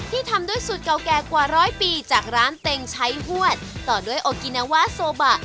ทำด้วยสูตรเก่าแก่กว่าร้อยปีจากร้านเต็งใช้ฮวดต่อด้วยโอกินาวาโซบะ